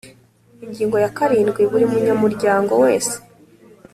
Ingingo ya karindwi Buri munyamuryango wese